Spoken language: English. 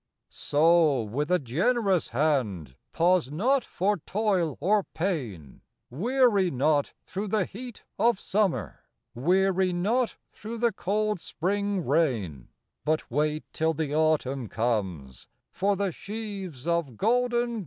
COW with a generous hand ; Pause not for toil or pain; Weary not through the heat of summer, Weary not through the cold spring rain; But wait till the autumn comes For the sheaves of golden grain.